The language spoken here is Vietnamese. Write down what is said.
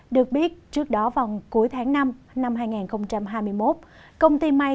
được biết trước đó vào cuối tháng năm năm hai nghìn hai mươi một công ty may